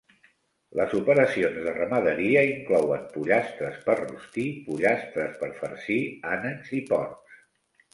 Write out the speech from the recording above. Les operacions de ramaderia inclouen pollastres per rostir, pollastres per farcir, ànecs i porcs.